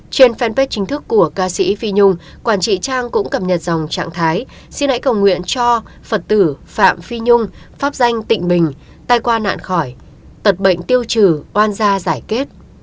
trên fanpage chính thức của ca sĩ phi nhung quản trị trang cũng cập nhật dòng trạng thái xin hãy cầu nguyện cho phật tử phạm phi nhung pháp danh tịnh bình tai qua nạn khỏi tật bệnh tiêu trừ oan gia giải kết